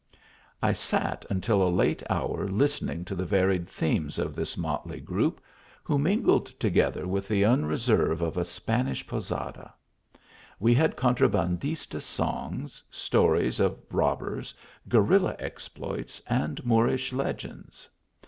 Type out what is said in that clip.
I sat until a late hour listening to the varied themes ot this motley groupe, who mingled toge ther with The unreserve of a Spanish posada. We had contrabandista songs, stories of robbers, gue rilla exploits, and Moorish legends.